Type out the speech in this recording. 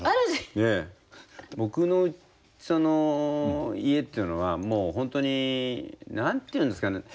僕のその家っていうのはもうほんとに何ていうんですかね